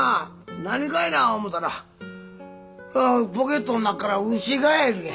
何かいな思うたらポケットの中から牛ガエルや。